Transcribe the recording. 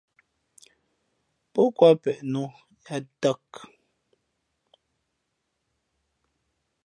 Pó kwāt peʼ nō yāā tāk.